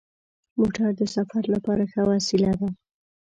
موټر د سفر لپاره ښه وسیله ده.